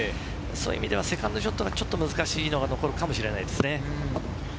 セカンドショットがちょっと難しいのが残るかもしれないですね。